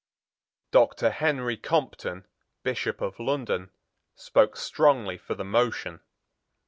Doctor Henry Compton, Bishop of London, spoke strongly for the motion.